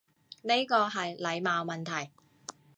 呢個係禮貌問題